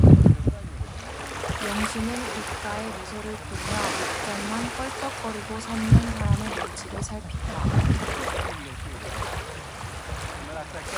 영신은 입가에 미소를 띠며 목젖만 껄떡거리고 섰는 사람의 눈치를 살핀다.